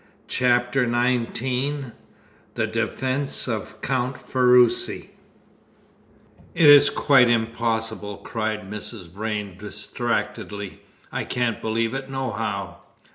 CHAPTER XIX THE DEFENCE OF COUNT FERRUCI "It is quite impossible!" cried Mrs. Vrain distractedly. "I can't believe it nohow!"